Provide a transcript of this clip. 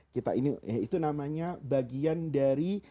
kita ini ya itu namanya bagian dari